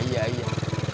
tinggal ini pak